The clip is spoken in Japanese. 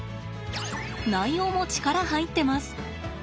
内容も力入ってます。